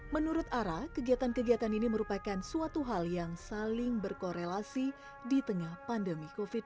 menurut ara kegiatan kegiatan ini merupakan suatu hal yang saling berkorelasi di tengah pandemi covid sembilan belas